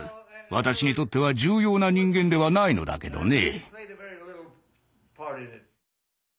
私にとっては重要な人間ではないのだけどね。